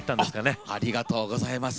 ありがとうございます。